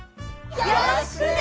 よろしくね！